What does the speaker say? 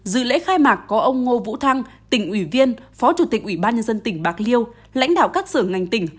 dự lễ khai mạc có ông ngô vũ thăng tỉnh ủy viên phó chủ tịch ủy ban nhân dân tỉnh bạc liêu lãnh đạo các sở ngành tỉnh